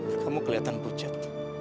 kamu kelihatan pucat